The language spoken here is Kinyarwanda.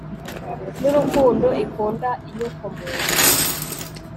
n'urukundo ikunda inyokomuntu